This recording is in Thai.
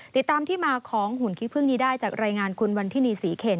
ติดตามที่มาของหุ่นขี้พึ่งนี้ได้จากรายงานคุณวันทินีศรีเขต